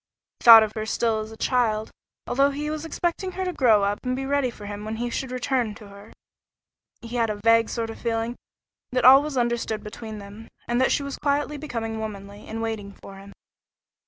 He thought of her as still a child, although he was expecting her to grow up and be ready for him when he should return to her. He had a vague sort of feeling that all was understood between them, and that she was quietly becoming womanly, and waiting for him.